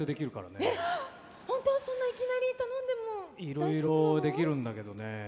いろいろできるんだけどね